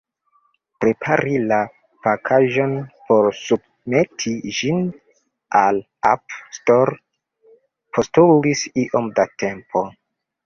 Prepari la pakaĵon por submeti ĝin al App Store postulis iom da tempo.